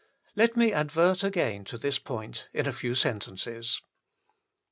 Let me advert again to this point in a few sentences.